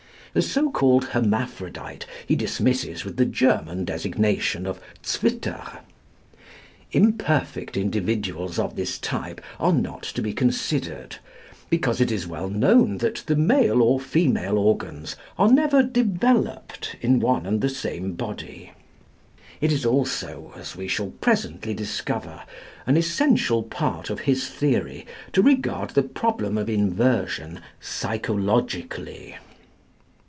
The so called hermaphrodite he dismisses with the German designation of Zwitter. Imperfect individuals of this type are not to be considered, because it is well known that the male or female organs are never developed in one and the same body. It is also, as we shall presently discover, an essential part of his theory to regard the problem of inversion psychologically.